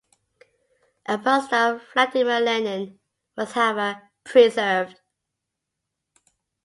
A bust of Vladimir Lenin was however, preserved.